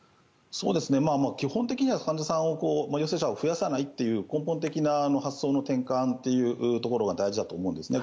基本的には、患者さん陽性者を増やさないという根本的な発想の転換というところが大事だと思うんですね。